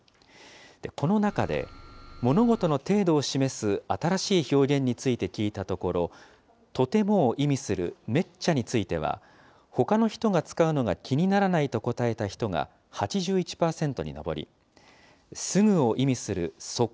この中で、物事の程度を示す新しい表現について聞いたところ、とてもを意味するめっちゃについては、ほかの人が使うのが気にならないと答えた人が８１％に上り、すぐを意味するそっ